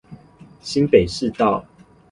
新北市道